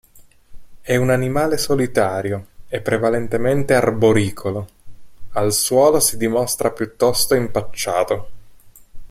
È un animale solitario e prevalentemente arboricolo: al suolo si dimostra piuttosto impacciato.